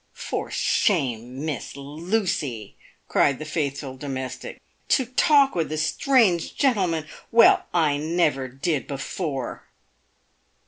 "Por shame, Miss Lucy!" cried the faithful domestic, "to talk with a strange gentleman. Well, I never did before